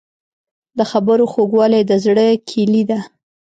د خبرو خوږوالی د زړه کیلي ده.